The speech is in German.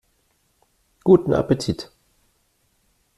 Guten Appetit!